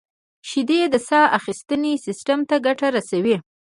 • شیدې د ساه اخیستنې سیستم ته ګټه رسوي.